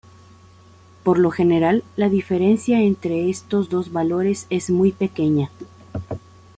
Por lo general, la diferencia entre estos dos valores es muy pequeña.